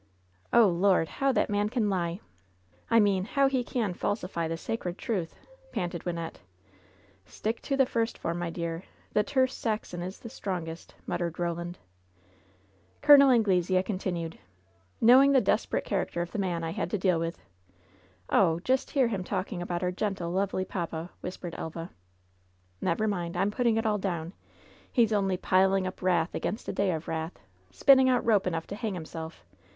"Oh, Lord ! how that man can lie ! I mean, how he can falsify the sacred truth !" panted Wynnette. "Stick to the first form, my dear ! The terse Saxon is the strongest," muttered Roland. Col. Anglesea continued : "Knowing the desperate character of the man I had to deal with ^^ "Oh I just hear him talking about our gentle^ lovely papa 1" whispered Elva. 112 LOVE'S BITTEREST CUP "Never mind ! I'm putting it all down ! He's only piling up ^wrath against a day of wrath/ Spinning out rope enough to hang himself.